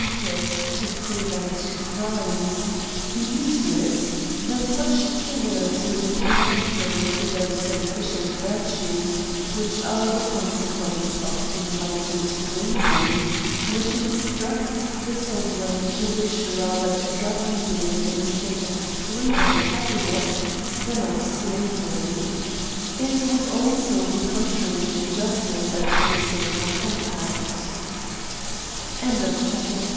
to prevent crimes, be use less, then such severity would be contrary to those beneficent virtues, which are the conse quence of enlightened reason, which instructs the sovereign to wish rather to govern men in a state of freedom and happiness than of slavery. It would also be contrary to justice and the